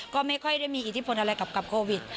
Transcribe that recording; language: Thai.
ก็ไม่ค่อยได้มีอิทธิพลอะไรกับโควิด